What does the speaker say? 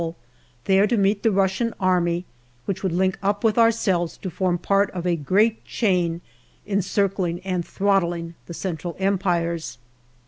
f>le, there to meet the Russian Army, which would link up with ourselves to form part of a great chain encircling and throttling the Central Empires.